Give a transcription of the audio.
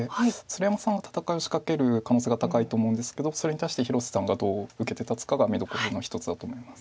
鶴山さんは戦いを仕掛ける可能性が高いと思うんですけどそれに対して広瀬さんがどう受けて立つかが見どころの一つだと思います。